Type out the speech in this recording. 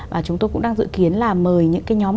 và chúng tôi cũng đang dự kiến là mời những cái nhóm